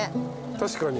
確かに。